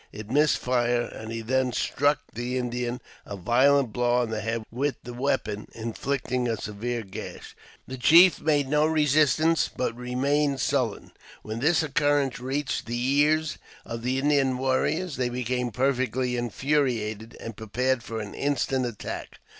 It missed fire, and he then struck the Indian a violent blow on the head with the weapon, inflicting a severe gash. The chief made no resistance, but 86 AUTOBIOGBAPHY OF remained sullen. When this occurrence reached the ears of the Indian warriors, they became perfectly infuriated, and prepared for an instant attack.